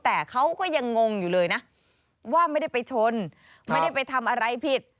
แต่เขาก็ยังงงอยู่เลยนะว่าไม่ได้ไปชนไม่ได้ไปทำอะไรผิด